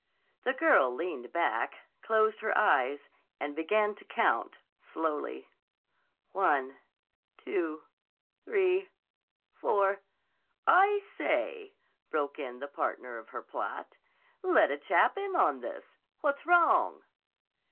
The girl leaned back, closed her eyes, and began to count slowly: "One—two—three—four—" "I say," broke in the partner of her plot. "Let a chap in on this. What's wrong?"